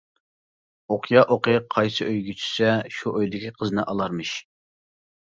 ئوقيا ئوقى قايسى ئۆيگە چۈشسە، شۇ ئۆيدىكى قىزنى ئالارمىش.